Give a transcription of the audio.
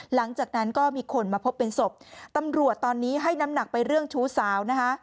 หลังจากนั้นก็มีคนมาพบเป็นศพตำรวจตอนนี้ให้น้ำหนักไปเรื่องชู้สาวนะคะ